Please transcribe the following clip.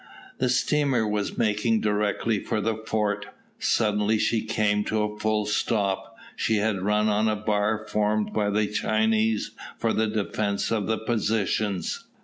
The steamer was making directly for the fort; suddenly she came to a full stop; she had run on a bar formed by the Chinese for the defence of the positions.